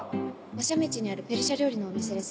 馬車道にあるペルシャ料理のお店です